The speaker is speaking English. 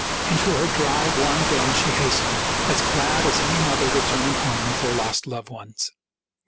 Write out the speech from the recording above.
Into her dry, warm den she hastened, as glad as any mother returning home with her lost loved ones.